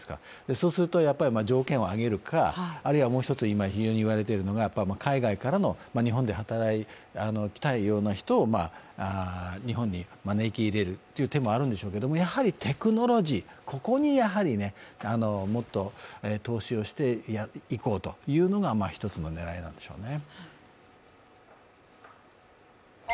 そうすると、条件を上げるか、あるいはもう一つ、非常に今言われているのが海外からの日本で働きたいような人を日本に招き入れるという手もあるんでしょうけども、やはりテクノロジー、ここにもっと投資をしていこうというのが１つの狙いなんでしょうね。